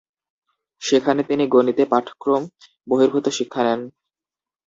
সেখানে তিনি গণিতে পাঠক্রম বহির্ভূত শিক্ষা নেন।